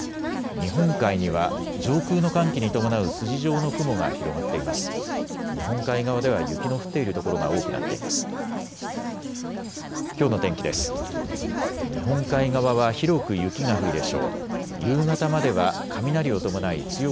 日本海には上空の寒気に伴う筋状の雲が広がっています。